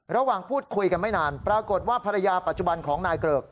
ระหว่างพูดคุยกันไม่นานปรากฏว่าภรรยาปัจจุบันของนายเกริก